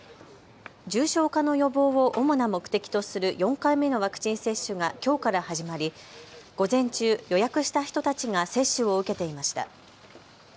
重症化の予防を主な目的とする４回目のワクチン接種がきょうから始まり午前中、予約した人たちが接種を受けていました。